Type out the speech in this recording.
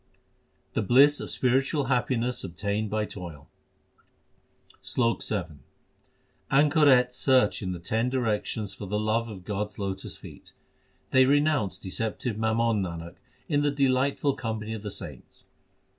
The bliss of spiritual happiness obtained by toil : SLOK VII Anchorets search in the ten directions for the love of God s lotus feet : They renounce deceptive mammon, Nanak, in the delight ful company of the saints.